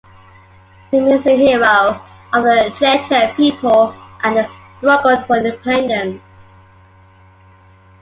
He remains a hero of the Chechen people and its struggle for independence.